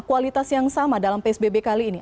kualitas yang sama dalam psbb kali ini